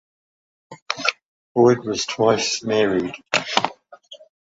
Boyd was twice married.